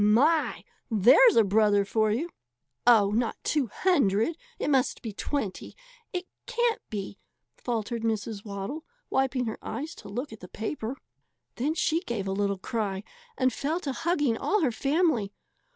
My! There's a brother for you!" "Oh, not two hundred it must be twenty it can't be " faltered Mrs. Waddle, wiping her eyes to look at the paper. Then she gave a little cry and fell to hugging all her family.